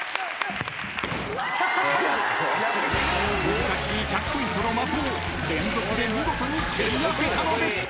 ［難しい１００ポイントの的を連続で見事に蹴りあけたのでした］